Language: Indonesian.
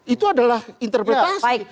itu adalah interpretasi